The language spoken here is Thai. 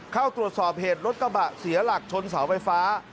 เข้าตรวจสอบเหตุรถกระบะเสียหลักชนเสาไฟฟ้า